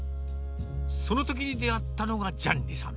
そのときに出会ったのがジャンニさん。